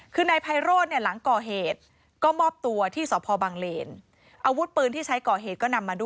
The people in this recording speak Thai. คือนายไพโรตหลังก่อเหตุ